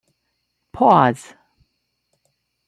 Pause